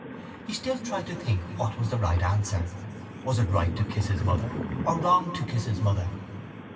He still tried to think what was the right answer. Was it right to kiss his mother or wrong to kiss his mother?